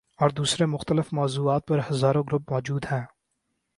اور دوسرے مختلف موضوعات پر ہزاروں گروپ موجود ہیں۔